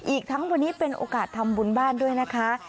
อีกทั้งวันนี้เป็นโอกาสทำบุญบ้านด้วยนะคะ